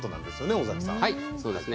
尾崎さん。